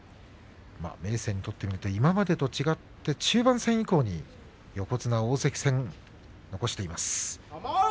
明生にとっては今までと違って、中盤戦以降に横綱大関戦を残しています。